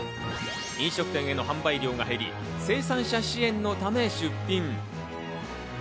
飲食店への販売量が減り、生産者支援のため出品。